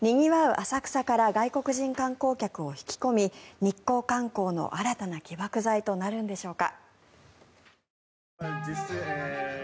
浅草から外国人観光客を引き込み日光観光の新たな起爆剤となるんでしょうか。